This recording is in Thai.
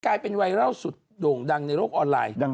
กลายเป็นไวรัลสุดโด่งดังในโลกออนไลน์